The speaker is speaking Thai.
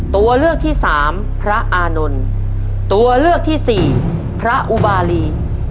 ตัวเลือกที่สามพระอานนท์ตัวเลือกที่สี่พระอุบารี